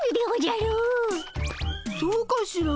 そうかしら？